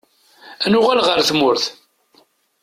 Ad nuɣal ɣer tmurt.